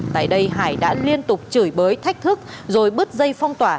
tại đây hải đã liên tục chửi bới thách thức rồi bứt dây phong tỏa